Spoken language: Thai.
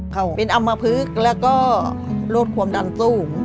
เขาเป็นอัมภพธิกรวดความดันซุ่ง